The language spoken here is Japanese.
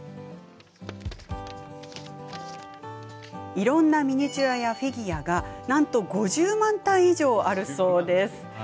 いろんなミニチュアやフィギュアがなんと５０万体以上あるそうです。